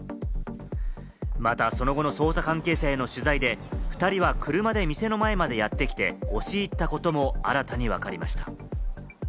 また、その後の捜査関係者への取材で２人は車で店の前までやってきて押し入ったことも新たにわかりました。